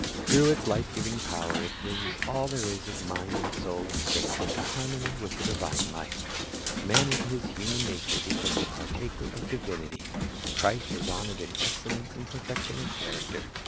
Through its life giving power it brings all there is of mind and soul and strength into harmony with the divine life. Man with his human nature becomes a partaker of divinity. Christ is honored in excellence and perfection of character.